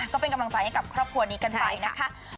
ก็เป็นกำลังใจให้กับครอบครัวนี้กันไปนะคะ